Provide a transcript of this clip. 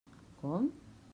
Com?